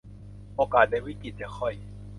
โอกาสในวิกฤตจะค่อย